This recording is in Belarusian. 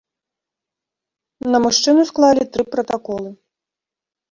На мужчыну склалі тры пратаколы.